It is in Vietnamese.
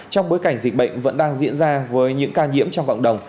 cảnh dịch bệnh vẫn đang diễn ra với những ca nhiễm trong cộng đồng